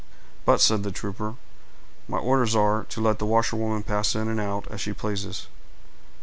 "But," said the trooper, "my orders are, to let the washerwoman pass in and out, as she pleases."